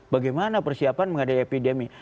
bagaimana persiapan menghadapi epidemik